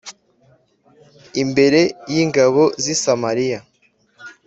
imbere y ingabo z i Samariya